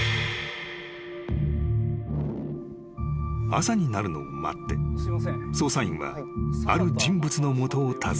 ☎［朝になるのを待って捜査員はある人物の元を訪ねた］